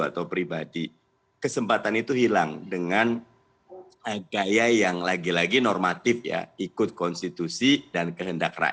tapi kemudian melihat kondisi maksud anda